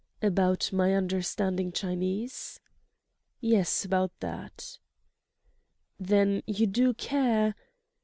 "About my understanding Chinese?" "Yes—about that." "Then you do care—?"